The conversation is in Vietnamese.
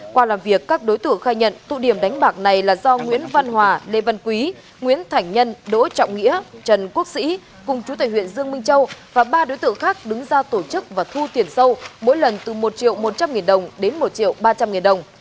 qua làm việc các đối tượng khai nhận tụ điểm đánh bạc này là do nguyễn văn hòa lê văn quý nguyễn thảnh nhân đỗ trọng nghĩa trần quốc sĩ cùng chú tài huyện dương minh châu và ba đối tượng khác đứng ra tổ chức và thu tiền sâu mỗi lần từ một triệu một trăm linh nghìn đồng đến một triệu ba trăm linh nghìn đồng